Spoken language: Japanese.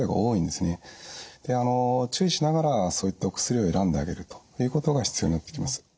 であの注意しながらそういったお薬を選んであげるということが必要になっていきます。